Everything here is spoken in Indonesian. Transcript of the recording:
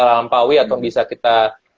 lampaui atau bisa kita